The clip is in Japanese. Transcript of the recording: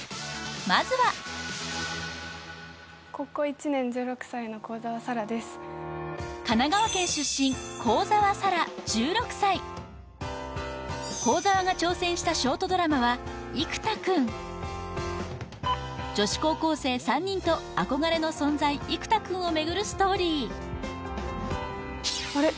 まずは神奈川県出身幸澤沙良１６歳幸澤が挑戦したショートドラマは「生田くん」女子高校生３人と憧れの存在生田くんを巡るストーリーあれ？